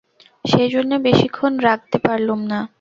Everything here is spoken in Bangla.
সেইজন্যে বেশিক্ষণ রাগতে পারলুম না।